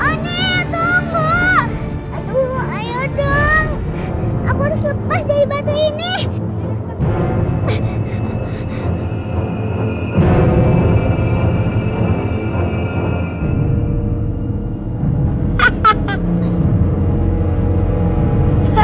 aduh mbak aduh ayo dong aku harus lepas dari batu ini